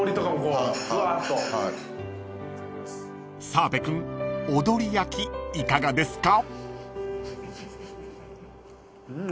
［澤部君踊り焼きいかがですか？］